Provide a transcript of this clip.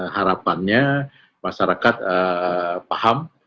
harapannya masyarakat paham